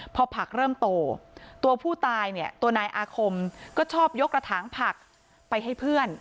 พอผักเริ่มโตตัวผู้ตายเนี่ยตัวนายอาคมก็ชอบยกระถางผักไปให้เพื่อน